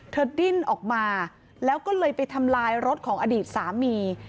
ดิ้นออกมาแล้วก็เลยไปทำลายรถของอดีตสามี